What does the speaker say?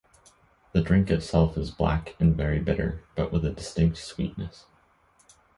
The drink itself is black and very bitter, but with a distinct sweetness.